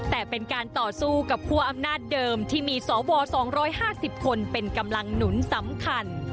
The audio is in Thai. แต่เป็นการต่อสู้กับคั่วอำนาจเดิมที่มีสว๒๕๐คนเป็นกำลังหนุนสำคัญ